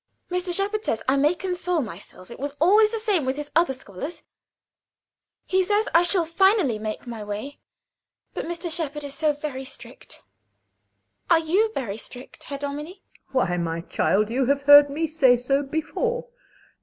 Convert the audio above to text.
Mr. Shepard says I may console myself: it was always the same with his other scholars. He says I shall finally make my way. But Mr. Shepard is so strict. Are you very strict, Herr Dominie? MRS. S. Why, my child, you have heard me say so before.